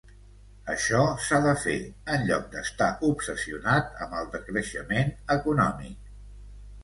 Això s’ha de fer, en lloc d’estar obsessionat amb el decreixement econòmic.